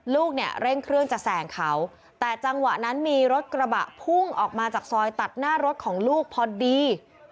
ลูกเนี่ยเร่งเครื่องจะแซงเขาแต่จังหวะนั้นมีรถกระบะพุ่งออกมาจากซอยตัดหน้ารถของลูกพอดี